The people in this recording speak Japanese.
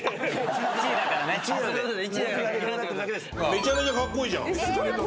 めちゃめちゃカッコイイじゃん。